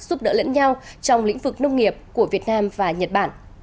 giúp đỡ lẫn nhau trong lĩnh vực nông nghiệp của việt nam và nhật bản